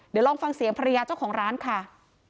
เดี๋ยวลองฟังเสียงภรรยาเจ้าของร้านค่ะ